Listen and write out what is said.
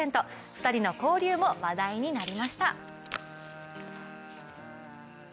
２人の交流も話題になりました。